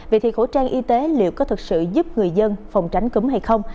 vậy thì khẩu trang y tế liệu có thực sự giúp người dân phòng tránh cúm hay không